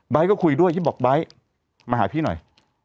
ก็คุยด้วยพี่บอกไบท์มาหาพี่หน่อย